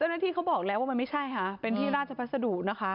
ที่เขาบอกแล้วว่ามันไม่ใช่ค่ะเป็นที่ราชพัสดุนะคะ